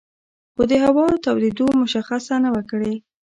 خو د هوا تودېدو مشخصه نه وه کړې